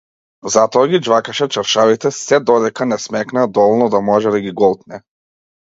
Затоа ги џвакаше чаршафите сѐ додека не смекнеа доволно да може да ги голтне.